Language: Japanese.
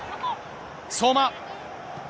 相馬。